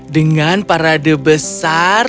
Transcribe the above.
dengan parade besar